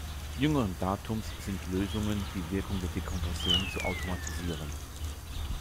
Jüngeren Datums sind Lösungen, die Wirkung der Dekompression zu automatisieren.